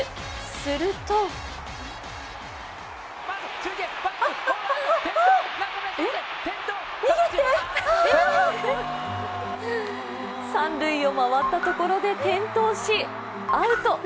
すると三塁を回ったところで転倒しアウト。